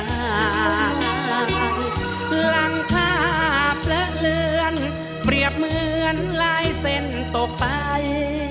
หลังคาเปลอะเลือนเปรียบเหมือนลายเส้นตกไป